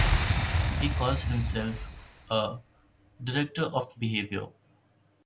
He calls himself a "Director of Behavior".